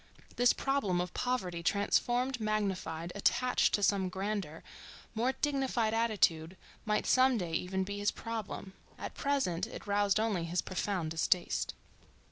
This problem of poverty transformed, magnified, attached to some grander, more dignified attitude might some day even be his problem; at present it roused only his profound distaste.